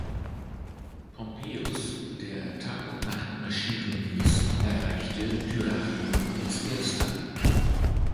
Pompeius, der Tag und Nacht marschieren ließ, erreichte Dyrrhachium als erster.